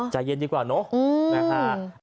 ใจเย็นดีกว่าเนาะ